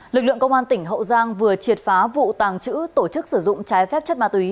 lực lượng công an tỉnh hậu giang vừa triệt phá vụ tàng trữ tổ chức sử dụng trái phép chất ma túy